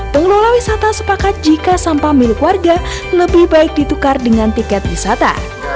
pengelola wisata sepakat jika sampah milik warga lebih baik ditukar dengan tiket wisata